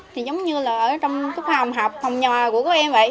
thì giống như là ở trong cái phòng học phòng nhà của các em vậy